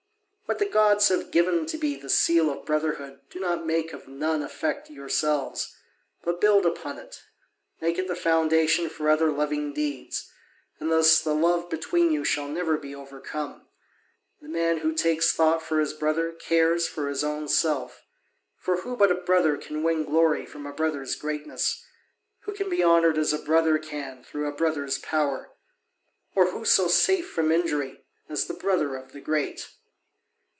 What the gods have given to be the seal of brotherhood do not make of none effect yourselves. But build upon it: make it the foundation for other loving deeds, and thus the love between you shall never be overcome. The man who takes thought for his brother cares for his own self. For who but a brother can win glory from a brother's greatness? Who can be honoured as a brother can through a brother's power? Or who so safe from injury as the brother of the great?